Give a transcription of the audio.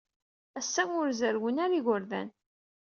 Ass-a, ur zerrwen ara yigerdan.